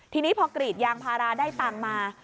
ทีนี้พอกรีดยางพาราได้ตังค์มา